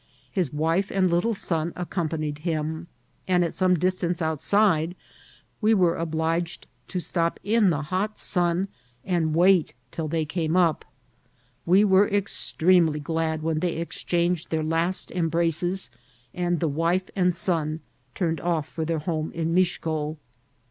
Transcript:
His wife and little son accompanied him ; and at some distance outside we were obliged to stop in the hot sun and wait till they came \xp. We were extremely glad when they exchanged their last em* braces, and the wife and son turned off for their home in Mixco.